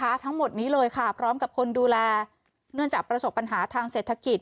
ทั้งหมดนี้เลยค่ะพร้อมกับคนดูแลเนื่องจากประสบปัญหาทางเศรษฐกิจ